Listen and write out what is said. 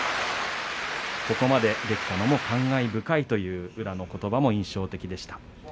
ここまでできたのも感慨深いという宇良のことばも印象的でした。